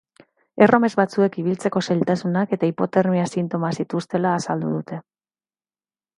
Erromes batzuek ibiltzeko zailtasunak eta hipotermia sintomak zituztela azaldu dute.